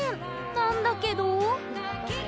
なんだけど。